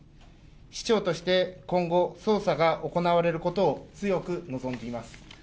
市長として今後、捜査が行われることを強く望んでいます。